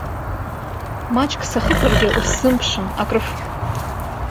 Маҷк сахыԥаргьы, усзымԥшын, акрыф.